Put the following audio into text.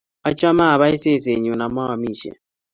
Achame apai sesennyu ama amisye.